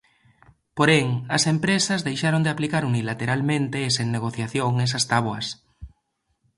Porén, as empresas deixaron de aplicar unilateralmente e sen negociación esas táboas.